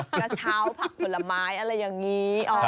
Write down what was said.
กระเช้าผักผลไม้อะไรอย่างนี้